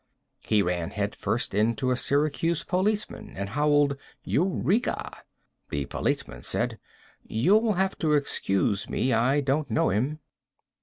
He ran head first into a Syracuse policeman and howled "Eureka!" The policeman said: "You'll have to excuse me; I don't know him."